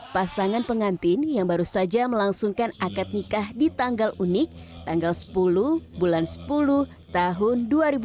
pasangan pengantin yang baru saja melangsungkan akad nikah di tanggal unik tanggal sepuluh bulan sepuluh tahun dua ribu dua puluh